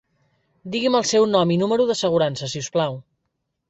Digui'm el seu nom i número d'assegurança si us plau.